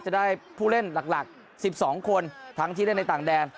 จะได้ผู้เล่นหลัก๑๒คนทั้งที่เล่นในต่างแดน